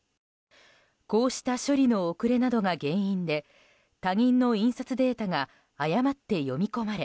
こうした処理の遅れなどが原因で他人の印刷データが誤って読み込まれ